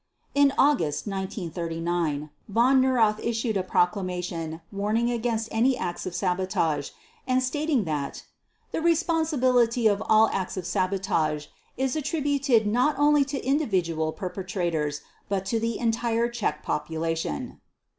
In August 1939 Von Neurath issued a proclamation warning against any acts of sabotage and stating that "the responsibility for all acts of sabotage is attributed not only to individual perpetrators but to the entire Czech population."